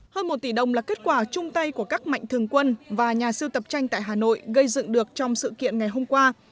hơn một tỷ đồng là kết quả chung tay của các mạnh thường quân và nhà siêu tập tranh tại hà nội gây dựng được trong sự kiện ngày hôm qua